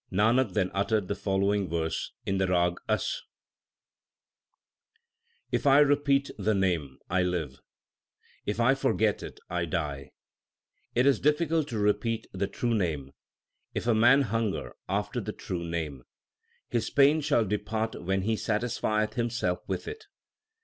Nanak then uttered the following verses in the Rag Asa : If I repeat the Name, I live ; if I forget it, I die ; 1 It is difficult to repeat the true Name. If a man hunger after the true Name, His pain shall depart when he satisfieth himself with it.